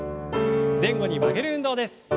前後に曲げる運動です。